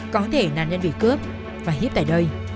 có thể nạn nhân bị cướp và hiếp tại đây